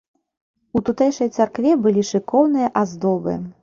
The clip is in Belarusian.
У тутэйшай царкве былі шыкоўныя аздобы.